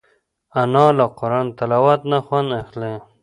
انا له قرآن تلاوت نه خوند اخلي